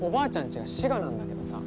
家が滋賀なんだけどさ。